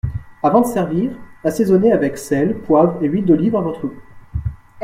Avant de servir, assaisonner avec sel, poivre et huile d’olive à votre goût.